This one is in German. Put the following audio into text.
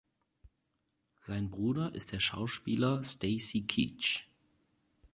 Sein Bruder ist der Schauspieler Stacy Keach.